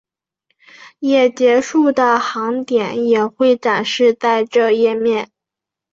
也结束的航点也会展示在这页面。